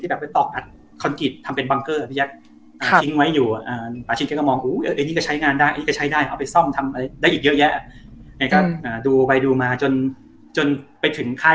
แล้วก็มาคุยอ่าก็ก็ก็คุยดีดีเนี้ยแหละมาทำ